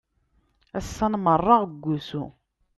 Ass-a nmerreɣ deg usu.